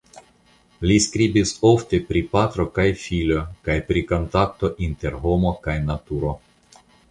Li skribis ofte pri patro kaj filo kaj pri kontakto inter homo kaj naturo.